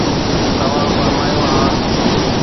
توهان فرمايو: ها